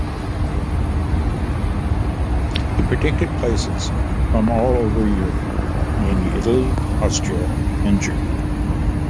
He depicted places from all over Europe, mainly Italy, Austria, and Germany.